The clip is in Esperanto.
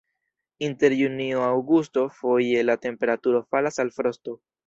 Inter junio-aŭgusto foje la temperaturo falas al frosto.